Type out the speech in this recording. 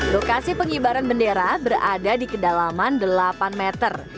lokasi pengibaran bendera berada di kedalaman delapan meter